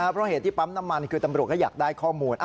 เพราะเหตุที่ปั๊มน้ำมันคือตำรวจก็อยากได้ข้อมูล